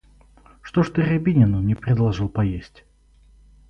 Что ж ты Рябинину не предложил поесть?